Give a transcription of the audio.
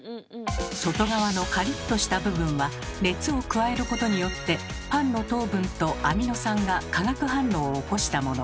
外側のカリッとした部分は熱を加えることによってパンの糖分とアミノ酸が化学反応を起こしたもの。